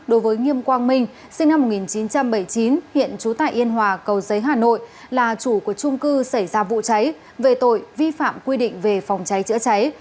đối với nghiêm quang minh sinh năm một nghìn chín trăm bảy mươi chín hiện trú tại yên hòa cầu giấy hà nội là chủ của trung cư xảy ra vụ cháy về tội vi phạm quy định về phòng cháy chữa cháy